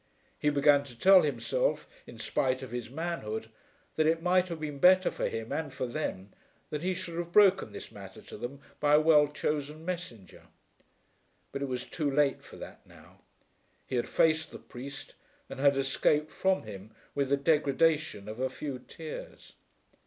He began to tell himself, in spite of his manhood, that it might have been better for him and for them that he should have broken this matter to them by a well chosen messenger. But it was too late for that now. He had faced the priest and had escaped from him with the degradation of a few tears.